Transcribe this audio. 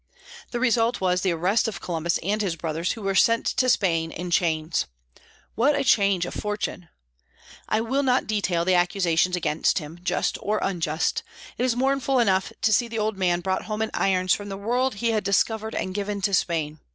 The result was the arrest of Columbus and his brothers, who were sent to Spain in chains. What a change of fortune! I will not detail the accusations against him, just or unjust. It is mournful enough to see the old man brought home in irons from the world he had discovered and given to Spain.